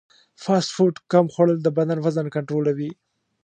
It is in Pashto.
فاسټ فوډ کم خوړل د بدن وزن کنټرولوي.